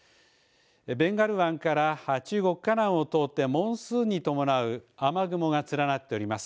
ベンガル湾から中国、かなんを通って本州に伴う雨雲が連なっています。